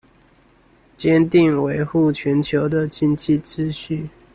堅定維護全球的經濟秩序